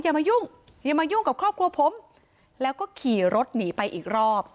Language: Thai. อย่ามายุ่งอย่ามายุ่งกับครอบครัวผมแล้วก็ขี่รถหนีไปอีกรอบ